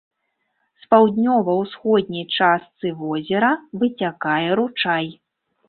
З паўднёва-ўсходняй частцы возера выцякае ручай.